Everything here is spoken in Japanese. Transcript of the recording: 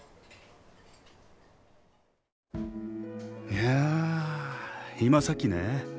いや今さっきね